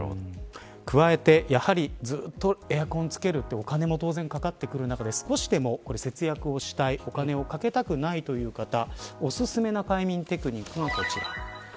加えて、やはりずっとエアコンつけるとお金も当然かかってくる中で、少しでも節約をしたいお金をかけたくないという方お薦めの快眠テクニックがこちら。